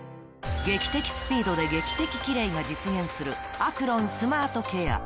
劇的スピードで劇的キレイが実現するアクロンスマートケア